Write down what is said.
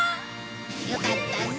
よかったね。